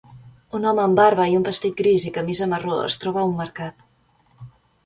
Un home amb barba i un vestit gris i camisa marró es troba a un mercat.